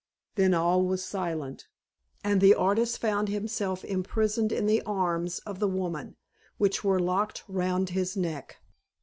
Then all was silent, and the artist found himself imprisoned in the arms of the woman, which were locked round his neck.